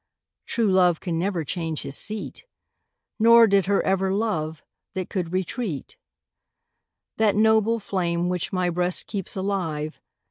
True love can never change his seat ; Nor did he ever love that can retreat. That noble flame, which my Ijreast keeps alive.